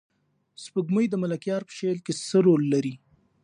سپوږمۍ د ملکیار په شعر کې څه رول لري؟